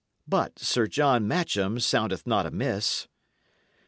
But 'Sir John Matcham' soundeth not amiss."